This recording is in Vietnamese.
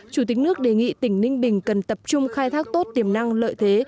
chủ tịch nước đề nghị tỉnh ninh bình cần tập trung khai thác tốt tiềm năng lợi thế